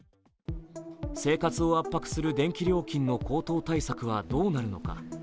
生活を圧迫する電気料金の高騰対策はどうなるのか。